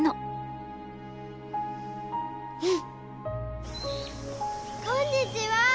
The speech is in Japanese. うん！こんにちは！